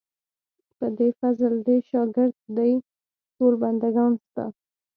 په دې فضل دې شاګر دي ټول بندګان ستا.